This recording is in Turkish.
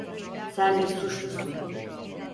Sen bir suçlusun.